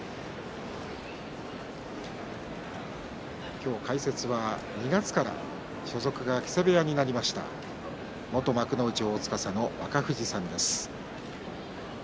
今日解説は２月から所属が木瀬部屋になりました元幕内皇司の若藤親方です。